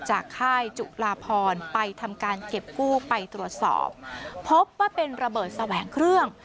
ค่ายจุลาพรไปทำการเก็บกู้ไปตรวจสอบพบว่าเป็นระเบิดแสวงเครื่อง